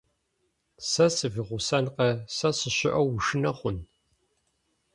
Сэ сывигъусэнкъэ, сэ сыщыӀэу ушынэ хъун?